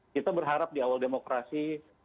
kita berharap di awal demokrasi